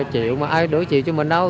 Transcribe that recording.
chiều mà ai đổ chiều cho mình đâu